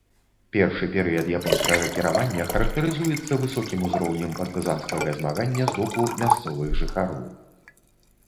Першы перыяд японскага кіравання характарызуецца высокім узроўнем партызанскага змагання з боку мясцовых жыхароў.